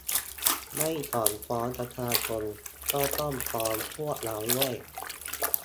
ไม่ถอนฟ้องประชาชน ก็ต้องฟ้องพวกเราด้วย